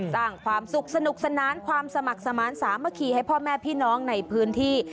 สร้างความสุขสนุกสนานความสมัครสมาธิสามัคคีให้พ่อแม่พี่น้องในพื้นที่